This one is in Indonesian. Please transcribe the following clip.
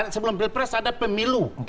sebelum pilpres ada pemilu